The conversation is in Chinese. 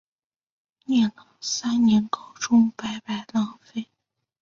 念了三年高中白白浪费